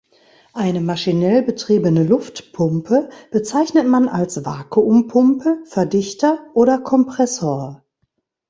Eine maschinell betriebene Luftpumpe bezeichnet man als Vakuumpumpe, Verdichter oder Kompressor.